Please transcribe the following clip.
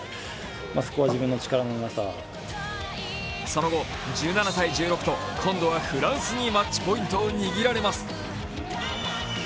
その後、１７−１６と今度はフランスにマッチポイントを握られます。